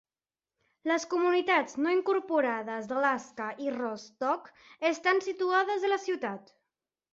Les comunitats no incorporades d'Alaska i Rostok estan situades a la ciutat.